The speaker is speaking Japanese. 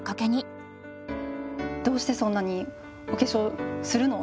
「どうしてそんなにお化粧するの？」